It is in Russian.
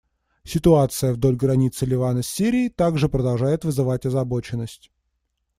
Ситуация вдоль границы Ливана с Сирией также продолжает вызвать озабоченность.